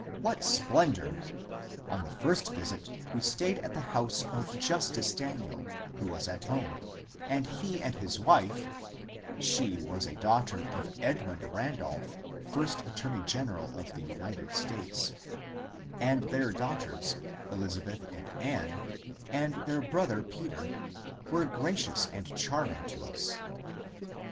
What splendour I On the first visit we staid at the house of Justice Daniel, who was at home, and he and his wife (she was a daughter of Edmund Randolph, first attorney general of the United States) and their daughters, Elizabeth and Anne, and their brother Peter, were gracious and charming to us.